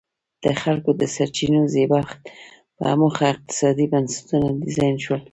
د خلکو د سرچینو زبېښاک په موخه اقتصادي بنسټونه ډیزاین شول.